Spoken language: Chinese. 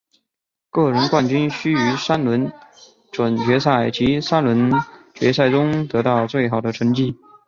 个人冠军需于三轮准决赛及三轮决赛中得到最好的成绩。